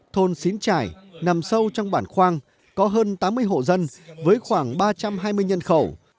thôn xín trải nằm sâu trong bản khoang có hơn tám mươi hộ dân với khoảng ba trăm hai mươi nhân khẩu